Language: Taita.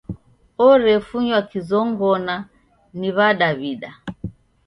Orefunywa kizongona ni W'adaw'ida.